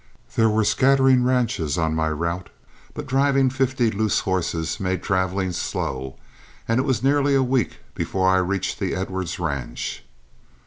There were scattering ranches on my route, but driving fifty loose horses made traveling slow, and it was nearly a week before I reached the Edwards ranch.